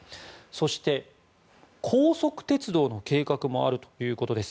そして、高速鉄道の計画もあるということです。